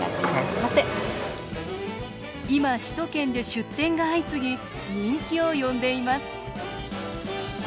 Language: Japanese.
今、首都圏で出店が相次ぎ人気を呼んでいます。